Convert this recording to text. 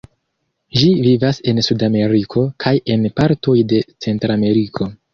Ĝi vivas en Sudameriko, kaj en partoj de Centrameriko.